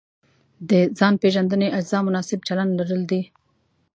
د ځان پېژندنې اجزا مناسب چلند لرل دي.